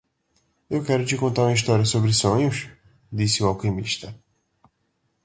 "Eu quero te contar uma história sobre sonhos?", disse o alquimista.